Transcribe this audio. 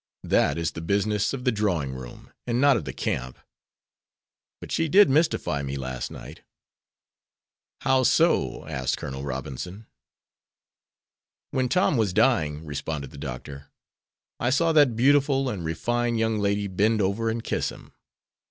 That is the business of the drawing room, and not of the camp. But she did mystify me last night." "How so?" asked Col. Robinson. "When Tom was dying," responded the doctor, "I saw that beautiful and refined young lady bend over and kiss him.